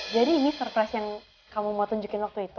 jadi ini surprise yang kamu mau tunjukin waktu itu